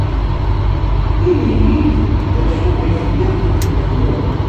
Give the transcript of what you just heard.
Ini-iyi-d d acu ay tgiḍ deg Tokyo.